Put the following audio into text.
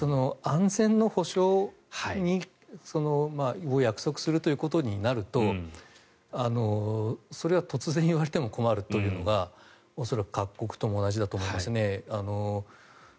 安全の保証を約束するということになるとそれは突然言われても困るというのが恐らく各国とも同じだと思うんですね。